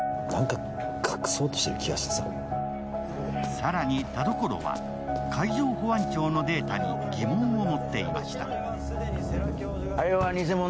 更に田所は海上保安庁のデータに疑問を持っていました。